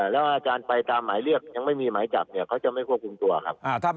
แล้วอาจารย์ไปตามหมายเรียกยังไม่มีหมายจับเนี่ยเขาจะไม่ควบคุมตัวครับ